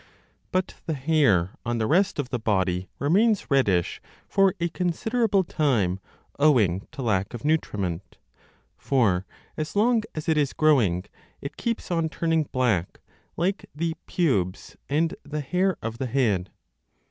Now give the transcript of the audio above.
But the hair on the rest of the body 35 remains reddish for a considerable time owing to lack of nutriment ; for as long as it is growing, it keeps on turning 798* black like the pubes and the hair of the head.